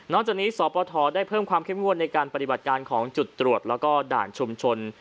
จากนี้สปทได้เพิ่มความเข้มงวดในการปฏิบัติการของจุดตรวจแล้วก็ด่านชุมชน